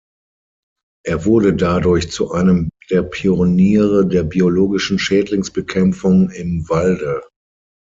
Er wurde dadurch zu einem der Pioniere der biologischen Schädlingsbekämpfung im Walde.